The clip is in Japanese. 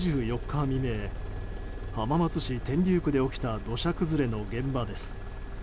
２４日未明、浜松市天竜区で起きた土砂崩れの現場です。